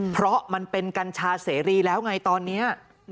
เพราะมันเป็นกัญชาเสรีแล้วไงตอนนี้